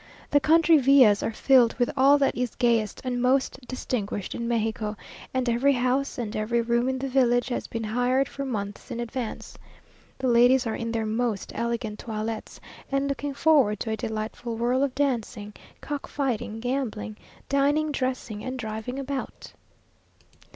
The country villas are filled with all that is gayest and most distinguished in Mexico, and every house and every room in the village has been hired for months in advance. The ladies are in their most elegant toilets, and looking forward to a delightful whirl of dancing, cock fighting, gambling, dining, dressing, and driving about.